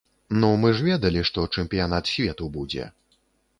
Ну, мы ж ведалі, што чэмпіянат свету будзе.